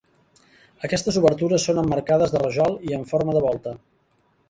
Aquestes obertures són emmarcades de rajol i en forma de volta.